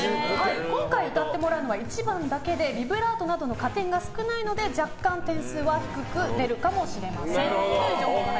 今回歌ってもらうのは１番だけでビブラートなどの加点が少ないので若干点数は低く出るかもしれません。